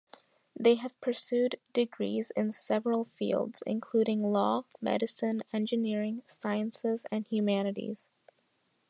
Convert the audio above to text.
They have pursued degrees in several fields including law, medicine, engineering, sciences, and humanities.